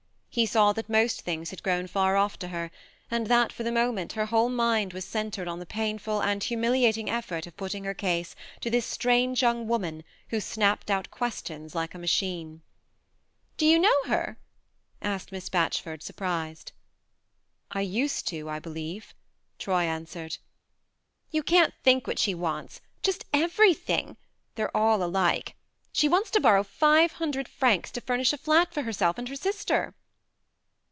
He saw that most things had grown far off to her, and that for the moment her whole mind was centred on the painful and humiliating effort of putting her case to this strange young woman who snapped out questions like a machine. " Do you know her ?" asked Miss Batchford, surprised. "I used to, I believe," Troy answered. " You can't think what she wants just everything! They're all alike. She wants to borrow five hundred THE MARNE 75 francs to furnish a flat for herself and her sister."